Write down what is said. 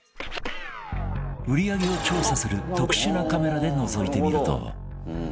売り上げを調査する特殊なカメラでのぞいてみると